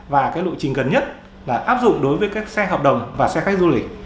và cái lộ trình gần nhất là áp dụng đối với các xe hợp đồng và xe khách du lịch